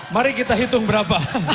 mari kita hitung berapa